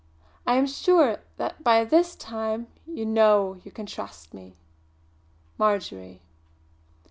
I am sure that by this time you know you can trust me. "MARJORY."